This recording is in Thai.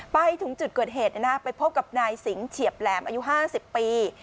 ไปถึงจุดเกิดเหตุไปพบกับนายสิงหเฉียบแหลมอายุ๕๐ปี